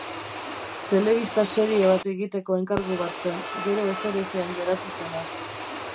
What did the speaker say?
Telebista-serie bat egiteko enkargu bat zen, gero ezerezean geratu zena.